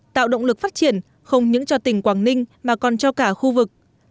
tạo động lực phát triển không những cho tỉnh quảng ninh mà còn cho cả khu vực